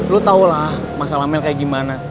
lo tau lah masalah mel kayak gimana